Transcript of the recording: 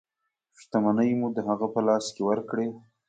شتمنۍ مو د هغه په لاس کې ورکړې.